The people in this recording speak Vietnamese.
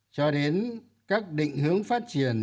cho đến các định hướng phát triển